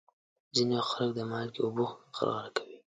ځینې وخت خلک د مالګې اوبه غرغره کوي.